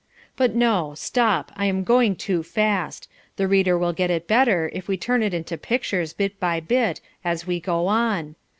But, no, stop! I am going too fast. The reader will get it better if we turn it into pictures bit by bit as we go on.